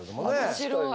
面白い。